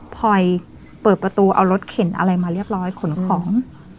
พอยเปิดประตูเอารถเข็นอะไรมาเรียบร้อยขนของ